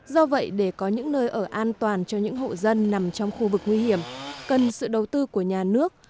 do vậy để có những nơi ở an toàn cho những hộ dân nằm trong khu vực nguy hiểm cần sự đầu tư của nhà nước